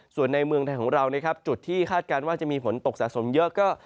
ส่วนในเมืองไทยของเรานะครับจุดที่คาดการณ์ว่าจะมีฝนตกสะสมเยอะก็